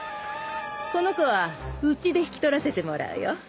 この子はうちで引き取らせてもらうよ。